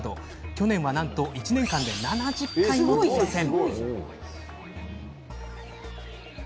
去年は、なんと１年間で７０回も当せん。